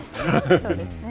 そうですね。